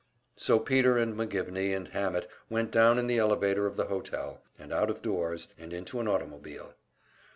So Peter and McGivney and Hammett went down in the elevator of the hotel, and out of doors, and into an automobile.